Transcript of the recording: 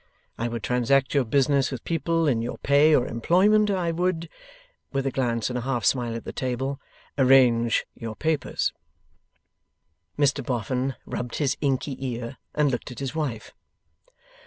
I would transact your business with people in your pay or employment. I would,' with a glance and a half smile at the table, 'arrange your papers ' Mr Boffin rubbed his inky ear, and looked at his wife.